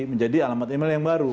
menjadi alamat email yang baru